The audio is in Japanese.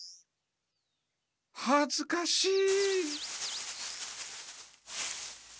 はずかしい。